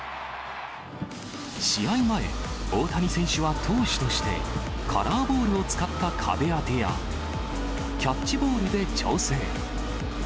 試合前、大谷選手は投手として、カラーボールを使った壁当てや、キャッチボールで調整。